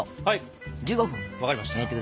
分かりました。